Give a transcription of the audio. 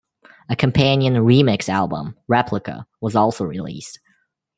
A companion remix album, "Replica", was also released.